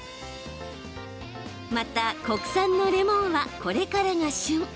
また国産のレモンはこれからが旬。